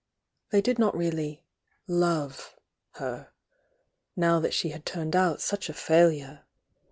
They did not really "love" her, now that she had turned out such a failure.